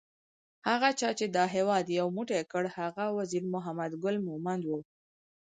هغه چا چې دا هیواد یو موټی کړ هغه وزیر محمد ګل مومند وو